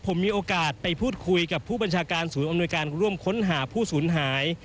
ผมมีโอกาสไปพูดคุยกับผู้บัญชาการศูนย์อำนวยการร่วมค้นหาผู้สูญหาย